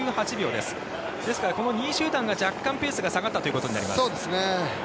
ですから、この２位集団が若干、ペースが下がったことになります。